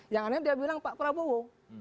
yang anehnya dia bilang pak prabowo